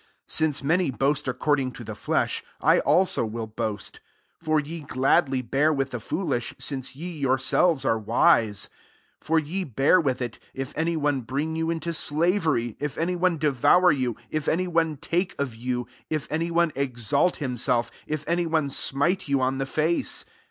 18 Since many boast accord ing to the flesh, I also will boast, 19 For ye gladly bear with the foolish, since ye your ietvea ^e wise. 20 For ye bear with it, if any one bring you into slavery, if any one devour yott, if any one take of you, if any one exalt himself, if any one smite you on the face.